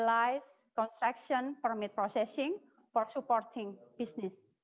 mencoba melihat persentase atau proporisi